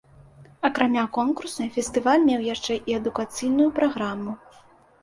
Акрамя конкурснай, фестываль меў яшчэ і адукацыйную праграму.